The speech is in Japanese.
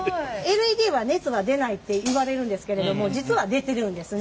ＬＥＤは熱が出ないっていわれるんですけれども実は出てるんですね。